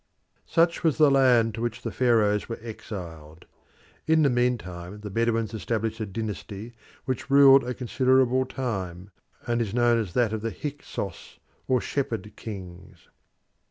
Such was the land to which the Pharaohs were exiled. In the meantime the Bedouins established a dynasty which ruled a considerable time, and is known as that of the Hyksos or Shepherd Kings.